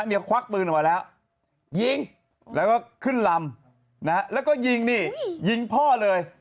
เดี๋ยวควักปืนออกมาแล้วยิงแล้วก็ขึ้นลำนะแล้วก็ยิงนี่ยิงพ่อเลย